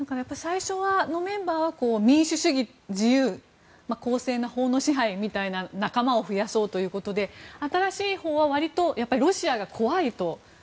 最初のメンバーは民主主義、自由公正な法の支配みたいな仲間を増やそうということで新しいほうは、割とやっぱりロシアが怖いと。